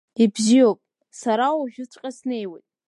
Ибзиоуп, сара уажәыҵәҟьа снеиуеит…